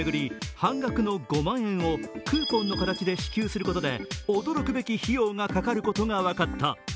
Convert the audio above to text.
半額の５万円をクーポンの形で支給することで驚くべき費用がかかることが分かった。